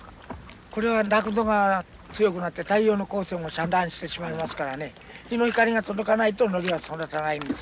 これは濁度が強くなって太陽の光線を遮断してしまいますからね日の光が届かないとノリが育たないんです。